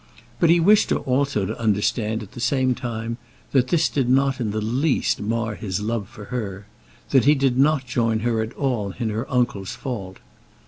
But he wished her also to understand at the same time that this did not in the least mar his love for her; that he did not join her at all in her uncle's fault.